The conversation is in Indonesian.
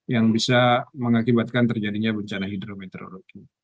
yang bisa mengakibatkan terjadinya bencana hidrometeorologi